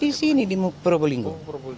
di sini di purwolinggo